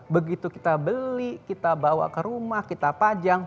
begitu kita beli kita bawa ke rumah kita pajang